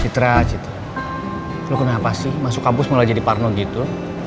cita cita lo kenapa sih masuk kampus mulai jadi parno gitu